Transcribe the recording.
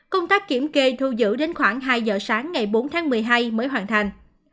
công tác kiểm kê thu giữ đến khoảng hai giờ sáng ngày bốn tháng một mươi hai mới hoàn thành